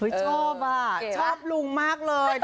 ชอบอ่ะชอบลุงมากเลย